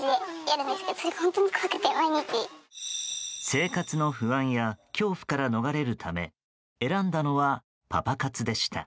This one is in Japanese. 生活の不安や恐怖から逃れるため選んだのはパパ活でした。